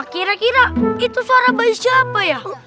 kira kira itu suara bayi siapa ya